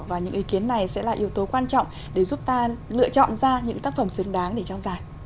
và những ý kiến này sẽ là yếu tố quan trọng để giúp ta lựa chọn ra những tác phẩm xứng đáng để trao giải